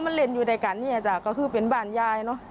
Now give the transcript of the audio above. มันเล่นอยู่ด้วยกันเนี่ยจ้ะก็คือเป็นบ้านยายเนอะ